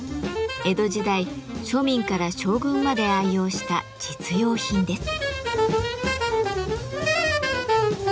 江戸時代庶民から将軍まで愛用した「実用品」です。